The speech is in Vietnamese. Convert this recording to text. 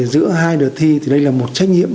giữa hai đợt thi thì đây là một trách nhiệm